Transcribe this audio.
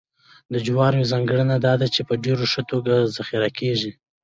د جوارو یوه ځانګړنه دا ده چې په ډېره ښه توګه ذخیره کېږي